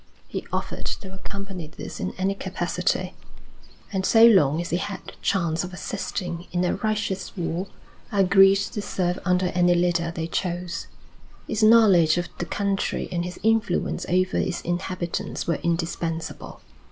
He offered to accompany this in any capacity; and, so long as he had the chance of assisting in a righteous war, agreed to serve under any leader they chose. His knowledge of the country and his influence over its inhabitants were indispensable.